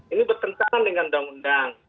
ini bertentangan dengan undang undang